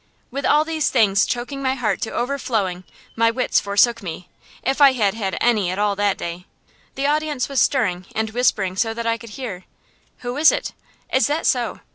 With all these things choking my heart to overflowing, my wits forsook me, if I had had any at all that day. The audience was stirring and whispering so that I could hear: "Who is it?" "Is that so?"